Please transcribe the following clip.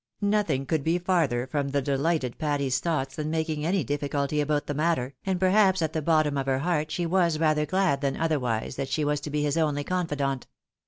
Nothing could be farther from the deUghted Patty's thoughts than making any difficulty about the matter ; and perhaps at the bottom of her heart she was rather glad than otherwise that she was to be his only confidant.